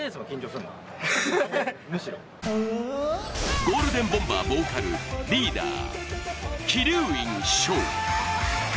ゴールデンボンバーボーカル、リーダー、鬼龍院翔。